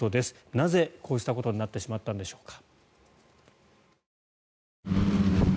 なぜ、こうしたことになってしまったんでしょうか。